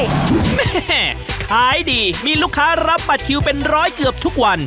แม่ขายดีมีลูกค้ารับบัตรคิวเป็นร้อยเกือบทุกวัน